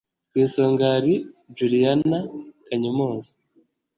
ku isonga hari Juliana Kanyomozi